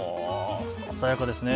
鮮やかですね。